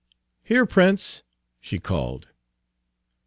Here, Prince!" she called.